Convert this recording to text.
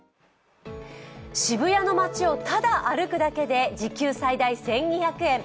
渋谷の街をただ歩くだけで時給最大１２００円。